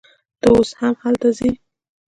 ته اوس هم هلته ځې